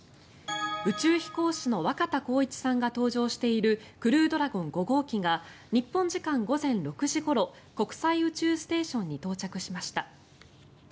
宇宙飛行士の若田光一さんが搭乗しているクルードラゴン５号機が日本時間午前６時ごろ国際宇宙ステーションに到着しました。